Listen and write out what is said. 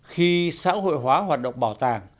khi xã hội hóa hoạt động bảo tàng